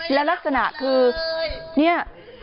แล้วลักษณะคือเนี่ย